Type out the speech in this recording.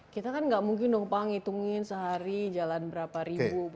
kita kan nggak mungkin dong pak ngitungin sehari jalan berapa ribu